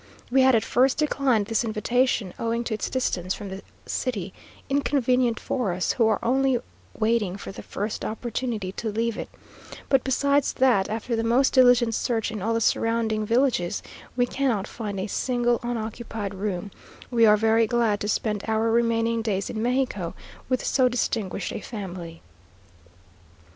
We had at first declined this invitation, owing to its distance from the city inconvenient for us, who are only waiting for the first opportunity to leave it; but besides that after the most diligent search in all the surrounding villages, we cannot find a single unoccupied room, we are very glad to spend our remaining days in Mexico with so distinguished a family.